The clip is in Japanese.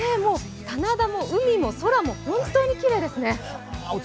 棚田も海も空も本当にきれいですね！